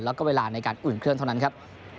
แล้วก็เวลาในการอุ่นเครื่องเท่านั้นครับ